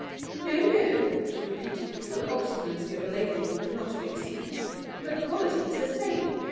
"No, no," she repeated, with the obstinacy of a lady who could not be deceived. "The quality is the same.